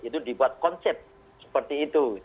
itu dibuat konsep seperti itu